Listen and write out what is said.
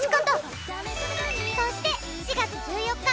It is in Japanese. そして４月１４日